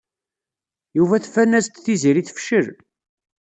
Yuba tban-as-d Tiziri tefcel.